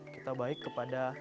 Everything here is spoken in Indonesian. kita baik kepada